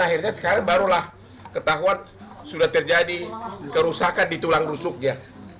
akhirnya sekarang barulah ketahuan sudah terjadi kerusakan di tulang rusuknya